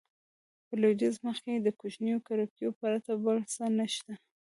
په لوېدیځ مخ کې د کوچنیو کړکیو پرته بل څه نه شته.